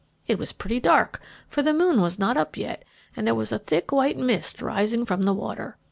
It was pretty dark, for the moon was not up yet, and there was a thick white mist rising from the water.